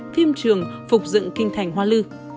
thêm trường phục dựng kinh thành hoa lư